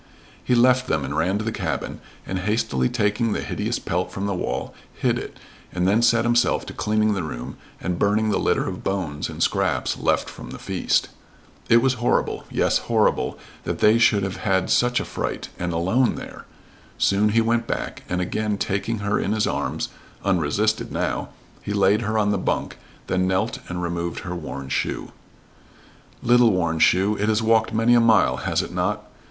He left them and ran to the cabin, and hastily taking the hideous pelt from the wall, hid it, and then set himself to cleaning the room and burning the litter of bones and scraps left from the feast. It was horrible yes, horrible, that they should have had such a fright, and alone there. Soon he went back, and again taking her in his arms, unresisted now, he laid her on the bunk, then knelt and removed her worn shoe. "Little worn shoe! It has walked many a mile, has it not?